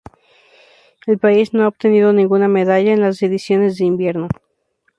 El país no ha obtenido ninguna medalla en las ediciones de invierno.